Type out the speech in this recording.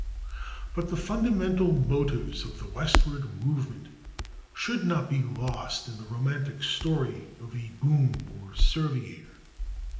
But the fundamental motives of the westward movement should not be lost in the romantic story of a Boone or Sevier.